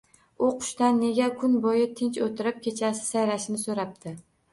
U Qushdan nega kun bo‘yi tinch o‘tirib, kechasi sayrashini so‘rabdi